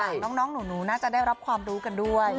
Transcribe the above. น้องหนูน่าจะได้รับความรู้กันด้วย